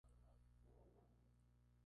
La decisión del árbitro es definitiva.